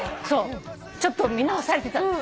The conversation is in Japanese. ちょっと見直されてた。